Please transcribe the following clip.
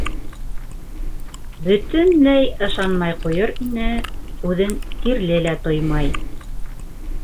Бөтөнләй ышанмай ҡуйыр ине, үҙен сирле лә тоймай.